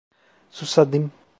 Susadım.